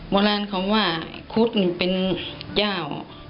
โบราณเขาว่าคุดนี่เป็นเจ้า